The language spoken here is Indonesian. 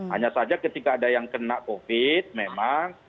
hanya saja ketika ada yang kena covid memang